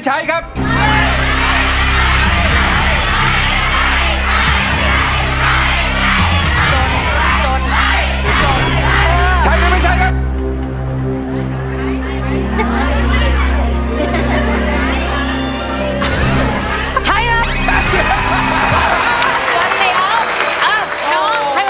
ตัวช่วยละครับเหลือใช้ได้อีกสองแผ่นป้ายในเพลงนี้จะหยุดทำไมสู้อยู่แล้วนะครับ